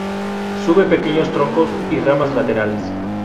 Sube pequeños troncos y ramas laterales.